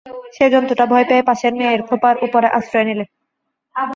সে জন্তুটা ভয় পেয়ে পাশের মেয়ের খোঁপার উপরে আশ্রয় নিলে।